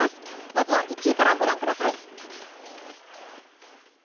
まずは１位から御覧ください。